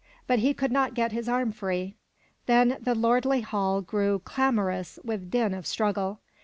But he could not get his arm free. Then the lordly hall grew clamorous with din of struggle.